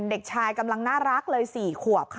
เด็กชายกำลังน่ารักเลย๔ขวบค่ะ